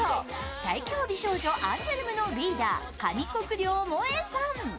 最強美少女、アンジュルムのリーダー、上國料萌衣さん。